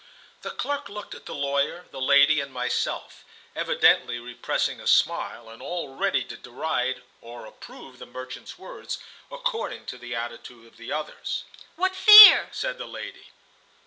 The clerk looked at the lawyer, the lady, and myself, evidently repressing a smile, and all ready to deride or approve the merchant's words, according to the attitude of the others. "What fear?" said the lady.